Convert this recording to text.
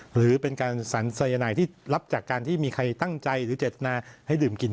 หรือเป็นการสรรสายนายที่รับจากการที่มีใครตั้งใจหรือเจตนาให้ดื่มกิน